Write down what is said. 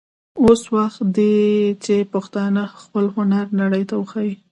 اوس وخت دی چې پښتانه خپل هنر نړۍ ته وښايي.